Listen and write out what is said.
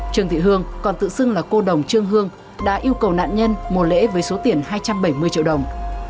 trương thị hương còn tự xưng là cô đồng trương hương đã yêu cầu nạn nhân mùa lễ với số tiền hai trăm bảy mươi triệu đồng